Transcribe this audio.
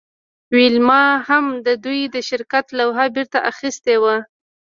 ویلما هم د دوی د شرکت لوحه بیرته اخیستې وه